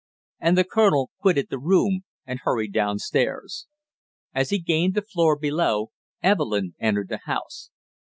And the colonel quitted the room and hurried down stairs. As he gained the floor below, Evelyn entered the house.